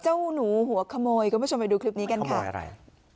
เจ้าหนูหัวขโมยก็มาชวนไปดูคลิปนี้กันครับ